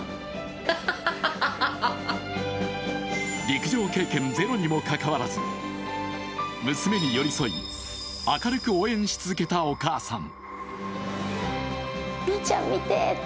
陸上経験ゼロにもかかわらず娘に寄り添い、明るく応援し続けたお母さん。